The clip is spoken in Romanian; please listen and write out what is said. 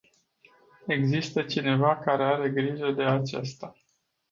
Există cineva care are grijă de acesta.